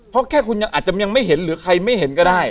เพราะแค่คุณยังอาจจะยังไม่เห็นหรือใครไม่เห็นก็ได้